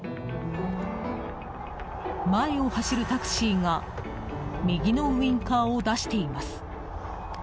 前を走るタクシーが右のウインカーを出しています。